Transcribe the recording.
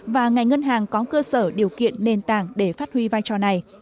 và ngành ngân hàng có cơ sở điều kiện nền tảng để phát huy vai trò này